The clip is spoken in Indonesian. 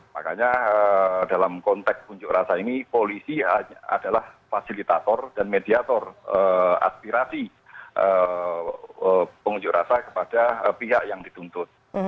makanya dalam konteks unjuk rasa ini polisi adalah fasilitator dan mediator aspirasi pengunjuk rasa kepada pihak yang dituntut